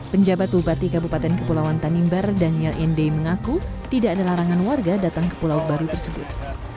penjabat bupati kabupaten kepulauan tanimbar daniel ende mengaku tidak ada larangan warga datang ke pulau baru tersebut